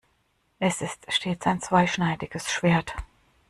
Es ist stets ein zweischneidiges Schwert.